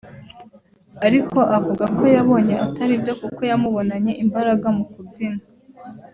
ariko avuga ko yabonye atari byo kuko yamubonanye imbaraga mu kubyina